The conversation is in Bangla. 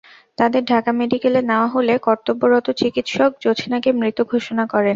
তাঁদের ঢাকা মেডিকেলে নেওয়া হলে কর্তব্যরত চিকিৎসক জোছনাকে মৃত ঘোষণা করেন।